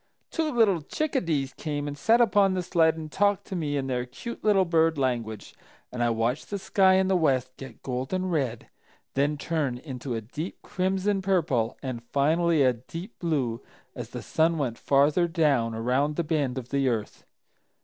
Two little Chicadees came and sat upon the sled and talked to me in their cute little bird language, and I watched the sky in the west get golden red, then turn into a deep crimson purple and finally a deep blue, as the sun went farther down around the bend of the earth.